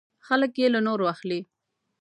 خلک یې له نورو اخلي .